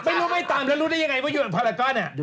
ไม่รู้ไม่ตามแล้วรู้ได้ยังไงว่าอยู่อย่างพารากอเนี่ย